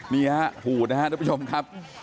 นี่ฮะหูดนะครับทุกผู้ชมครับ